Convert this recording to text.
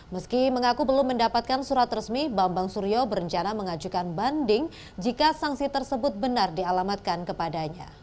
meski mengaku belum mendapatkan surat resmi bambang suryo berencana mengajukan banding jika sanksi tersebut benar dialamatkan kepadanya